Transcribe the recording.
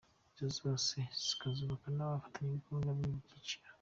Izi zose zikazubakwa n’abafatanyabikorwa b’ibi byiciro.